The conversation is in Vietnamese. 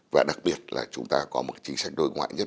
và đặc biệt là chúng ta có một chính sách đối ngoại nhất